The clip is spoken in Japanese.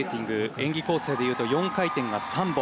演技構成でいうと４回転が３本。